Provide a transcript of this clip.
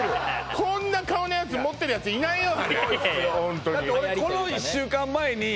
こんな顔のやつ持ってるやついないよ